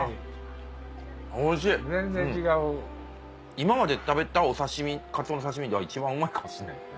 今まで食べたカツオの刺し身では一番うまいかもしんないですね。